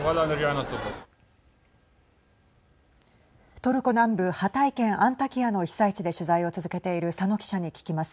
トルコ南部ハタイ県アンタキアの被災地で取材を続けている佐野記者に聞きます。